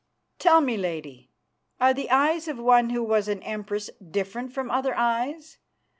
"Tell me, Lady, are the eyes of one who was an Empress different from other eyes?